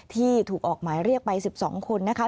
ที่ถูกออกหมายเรียกไป๑๒คนนะคะ